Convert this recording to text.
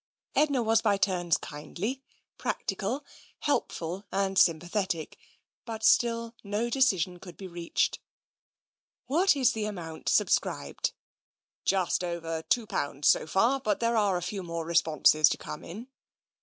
Edna was by turns kindly, practical, helpful and sympathetic, but still no decision could be reached. " What is the amount subscribed ?"" Just over two pounds, so far, but there are a few more responses to come in."